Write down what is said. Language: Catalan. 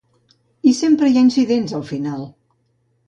I sempre hi ha incidents al final.